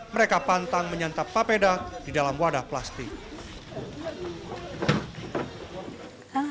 mereka pantang menyantap papeda di dalam wadah plastik